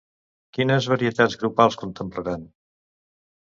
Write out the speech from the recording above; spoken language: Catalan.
Quines varietats grupals contemplaran?